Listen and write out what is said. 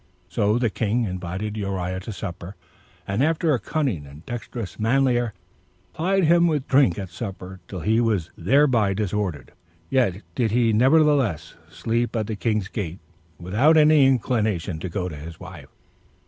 So the king invited Uriah to supper, and after a cunning and dexterous manlier plied him with drink at supper, till he was thereby disordered; yet did he nevertheless sleep at the king's gates without any inclination to go to his wife.